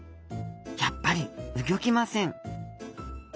やっぱりうギョきません！